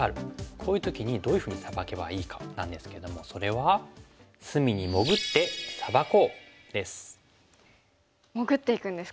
こういう時にどういうふうにサバけばいいかなんですけどもそれは潜っていくんですか。